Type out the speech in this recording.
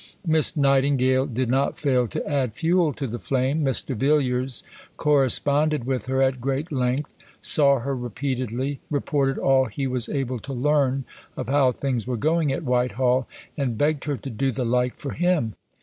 Miss Nightingale did not fail to add fuel to the flame. Mr. Villiers corresponded with her at great length; saw her repeatedly; reported all he was able to learn of how things were going at Whitehall, and begged her to do the like for him.